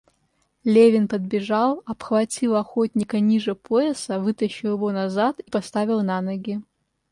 Левин подбежал, обхватил охотника ниже пояса, вытащил его назад и поставил на ноги.